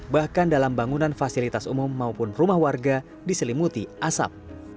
bahkan dalam bangunan fasilitas umum maupun rumah warga diselimuti asap